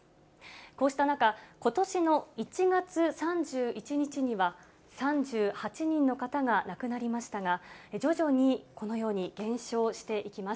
こうした中、ことしの１月３１日には、３８人の方が亡くなりましたが、徐々にこのように減少していきます。